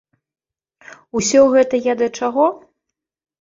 Усё гэта я да чаго?